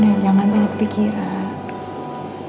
sudah jangan banyak berpikiran